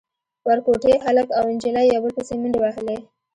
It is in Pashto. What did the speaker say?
ورکوټي هلک او نجلۍ يو بل پسې منډې وهلې.